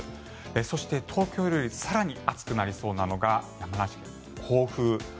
そして、東京より更に暑くなりそうなのが山梨県の甲府。